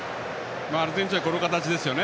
アルゼンチンはこの形ですよね。